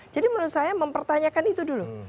jadi menurut saya mempertanyakan itu dulu